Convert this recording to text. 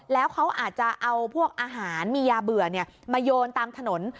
แล้วเขาอาจจะเอาพวกอาหารมียาเบื่อมาโยนตามถนน